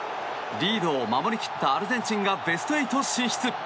リードを守り切ったアルゼンチンがベスト８進出。